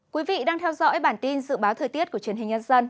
quý vị đang theo dõi bản tin dự báo thời tiết của truyền hình nhân dân